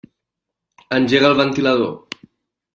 Engega el ventilador.